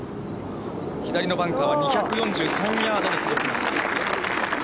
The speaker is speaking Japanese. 左のバンカーは２４３ヤードで届きます。